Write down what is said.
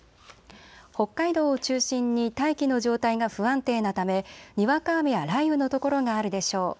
北海道を中心に大気の状態が不安定なため、にわか雨や雷雨の所があるでしょう。